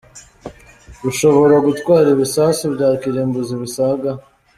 Bushobora gutwara ibisasu bya kirimbuzi bisaga .